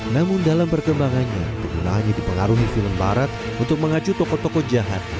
namun dalam perkembangannya penggunaannya dipengaruhi film barat untuk mengacu tokoh tokoh jahat